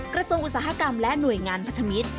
กระทรวงอุตสาหกรรมและหน่วยงานพัฒมิตร